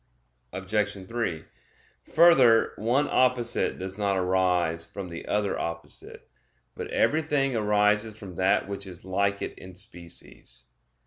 Obj. 3: Further, one opposite does not arise from the other opposite; but everything arises from that which is like it in species.